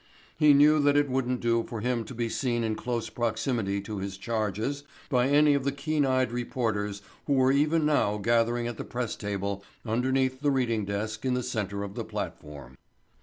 He knew that it wouldn't do for him to be seen in close proximity to his charges by any of the keen eyed reporters who were even now gathering at the press table underneath the reading desk in the center of the platform.